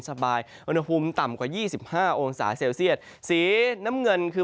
สบายอุณหภูมิต่ำกว่ายี่สิบห้าองศาเซลเซียตสีน้ำเงินคือ